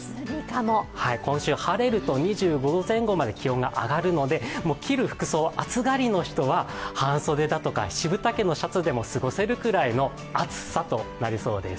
今週晴れると２５度前後まで気温が上がるので、着る服装、暑がりの方は半袖だとか七分丈のシャツでも過ごせるくらいの暑さとなりそうです。